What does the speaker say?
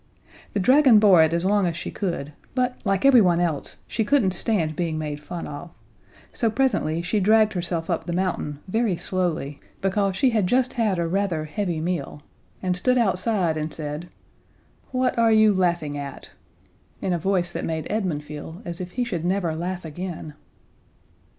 The dragon bore it as long as she could, but, like everyone else, she couldn't stand being made fun of, so presently she dragged herself up the mountain very slowly, because she had just had a rather heavy meal, and stood outside and said, "What are you laughing at?" in a voice that made Edmund feel as if he should never laugh again.